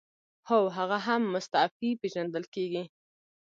هو هغه هم مستعفي پیژندل کیږي.